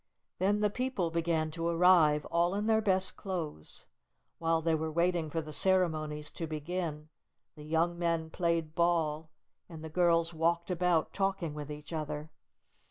Then the people began to arrive, all in their best clothes. While they were waiting for the ceremonies to begin, the young men played ball, and the girls walked about, talking with each other.